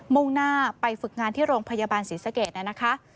มุ่งหน้าไปฝึกงานที่โรงพยาบาลศรีสเกตนะคะ